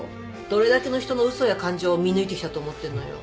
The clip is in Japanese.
どれだけの人の嘘や感情を見抜いてきたと思ってんのよ。